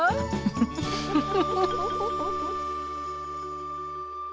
フフフフ。